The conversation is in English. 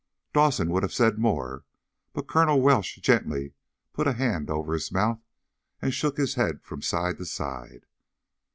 Dawson would have said more, but Colonel Welsh gently put a hand over his mouth, and shook his head from side to side.